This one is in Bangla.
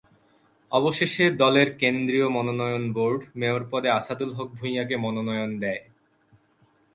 অবশেষে দলের কেন্দ্রীয় মনোনয়ন বোর্ড মেয়র পদে আসাদুল হক ভূঁইয়াকে মনোনয়ন দেয়।